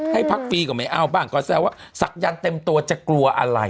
ให้พักฟรีก็ไม่เอาบ้างก็แซวว่าศักยันต์เต็มตัวจะกลัวอะไร